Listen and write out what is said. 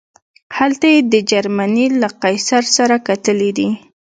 هلته یې د جرمني له قیصر سره کتلي دي.